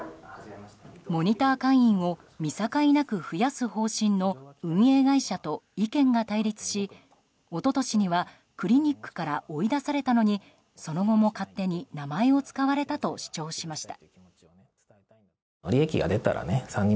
モニター会員を見境なく増やす方針の運営会社と意見が対立し一昨年にはクリニックから追い出されたのにその後も勝手に名前を使われたと主張しました。